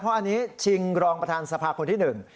เพราะอันนี้ชิงรองประธานสภาคนที่หนึ่ง